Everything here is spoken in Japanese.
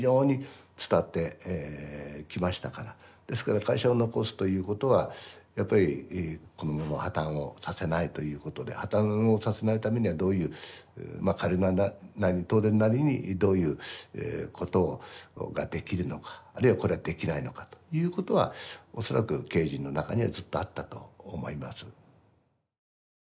ですから会社を残すということはやっぱりこのまま破綻をさせないということで破綻をさせないためにはどういう彼らなりに東電なりにどういうことができるのかあるいはこれはできないのかということは恐らく経営陣の中にはずっとあったと思います。